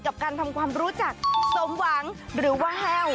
กับการทำความรู้จักสมหวังหรือว่าแห้ว